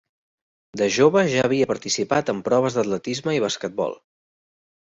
De jove ja havia participat en proves d'atletisme i basquetbol.